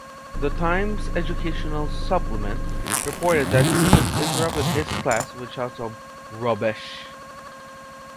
The "Times Educational Supplement" reported that students interrupted his class with shouts of "rubbish".